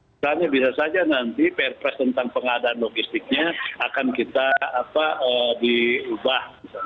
misalnya bisa saja nanti pr press tentang pengadaan logistiknya akan kita diubah